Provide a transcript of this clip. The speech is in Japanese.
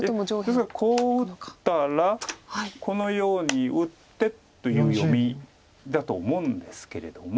ですからこう打ったらこのように打ってという読みだと思うんですけれども。